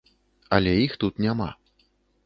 Але іх тут няма.